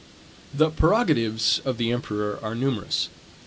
The prerogatives of the emperor are numerous.